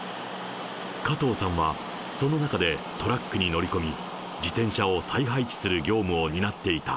加藤さんは、その中でトラックに乗り込み、自転車を再配置する業務を担っていた。